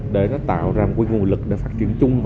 để nó tạo ra một cái nguồn lực để phát triển chung